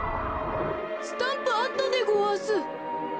スタンプあったでごわす。